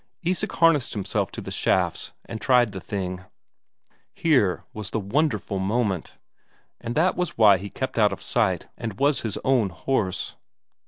Isak harnessed himself to the shafts and tried the thing. Here was the wonderful moment. And that was why he kept out of sight and was his own horse.